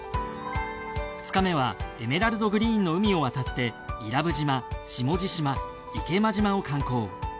２日目はエメラルドグリーンの海を渡って伊良部島下地島池間島を観光。